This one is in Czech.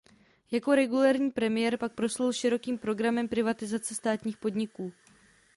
Jako regulérní premiér pak proslul širokým programem privatizace státních podniků.